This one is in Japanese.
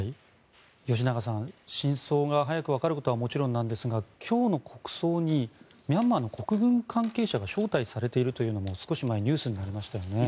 吉永さん真相が早くわかることはもちろんなんですが今日の国葬にミャンマーの国軍関係者が招待されているというのも少し前ニュースになりましたよね。